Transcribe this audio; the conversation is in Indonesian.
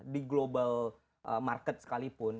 di global market sekalipun